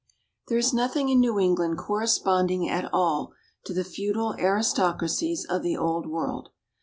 There is nothing in New England corresponding at all to the feudal aristocracies of the Old World.